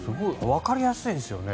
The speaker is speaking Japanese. わかりやすいですよね。